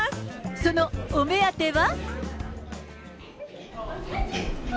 そのお目当ては。